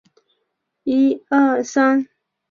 淮上军总司令部设在原清朝寿州总兵署。